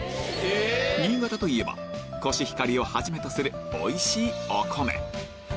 新潟といえばコシヒカリをはじめとするおいしいお米